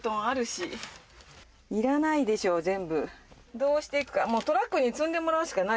どうして行くかもう。